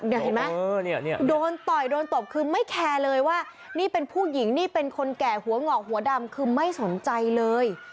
เดี๋ยวเห็นไหมโดนต่อยโดนตบคือไม่แคร์เลยว่านี่เป็นผู้หญิงนี่เป็นคนแก่หัวหงอกหัวดำคือไม่สนใจเลย